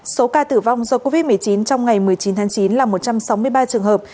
số ca tử vong do covid một mươi chín trong ngày một mươi chín tháng chín là một trăm sáu mươi ba trường hợp